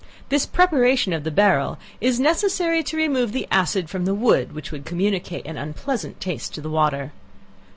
This preparation of the barrel is necessary to remove the acid from the wood, which would communicate an unpleasant taste to the water.